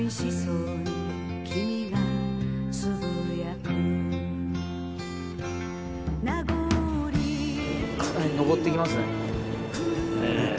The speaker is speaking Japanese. かなり上っていきますね。